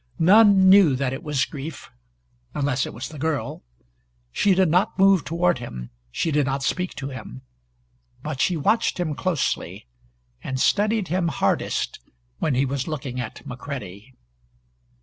None knew that it was grief unless it was the girl. She did not move toward him. She did not speak to him. But she watched him closely and studied him hardest when he was looking at McCready.